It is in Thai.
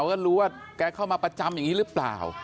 ก็รู้ว่าแกเข้ามาประจำอย่างนี้หรือเปล่า